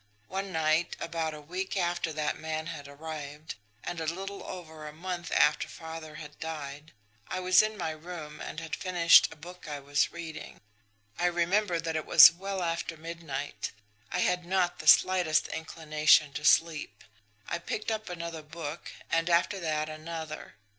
One night, about a week after that man had arrived, and a little over a month after father had died, I was in my room and had finished a book I was reading. I remember that it was well after midnight. I had not the slightest inclination to sleep. I picked up another book and after that another.